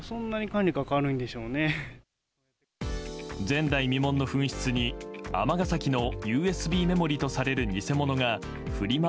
前代未聞の紛失に尼崎のＵＳＢメモリとされる偽物がフリマ